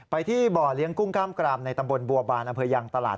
ที่บ่อเลี้ยงกุ้งกล้ามกรามในตำบลบัวบานอำเภอยังตลาด